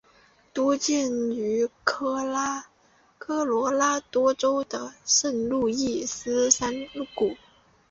多见于科罗拉多州的圣路易斯山谷。